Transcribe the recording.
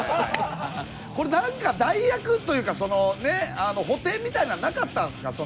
これなんか代役というかそのね補填みたいなのなかったんですか？